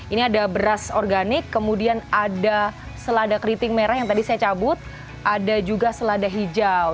ini ada beras organik kemudian ada selada keriting merah yang tadi saya cabut ada juga selada hijau